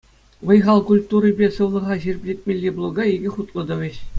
Вӑй-хал культурипе сывлӑха ҫирӗплетмелли блока икӗ хутлӑ тӑвӗҫ.